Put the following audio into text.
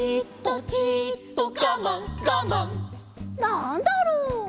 「なんだろう」